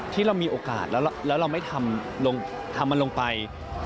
ที่เรามีโอกาสแล้วเราไม่ทำมันลงไป